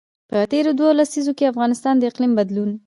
په تېرو دوو لسیزو کې افغانستان د اقلیم بدلون.